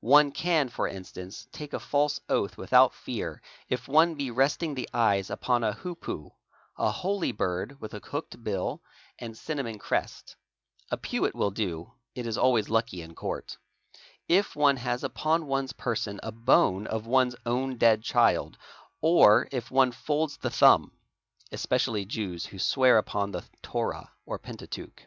One can for instance take a false oath without fear if one > resting the eyes upon a hoopoe (a holy bird with a hooked bill and cinnamon crest; a pewet will do, it is always lucky in court), if one has upon one's person a bone of one's own dead child, or if one folds the _ thumb (especially Jews who swear upon the Thorah or Pentateuch).